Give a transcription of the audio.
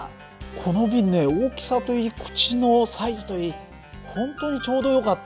この瓶ね大きさといい口のサイズといい本当にちょうどよかったんでね